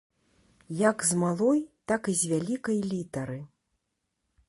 Як з малой, так і з вялікай літары.